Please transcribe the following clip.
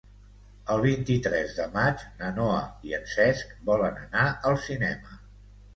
El vint-i-tres de maig na Noa i en Cesc volen anar al cinema.